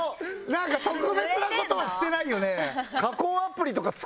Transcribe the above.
なんか特別な事はしてないよね？